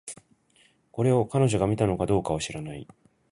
これを、彼女が見たのかどうかは知らない